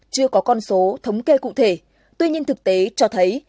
chưa có con số thống kê cụ thể tuy nhiên thực tế cho thấy